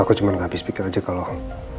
aku cuma habis pikir aja kalau